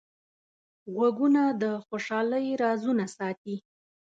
غوږونه د خوشحالۍ رازونه ساتي